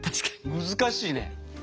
難しいね。